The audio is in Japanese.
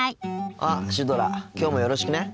あっシュドラきょうもよろしくね。